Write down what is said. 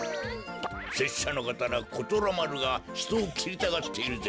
せっしゃのかたなことらまるがひとをきりたがっているぜ。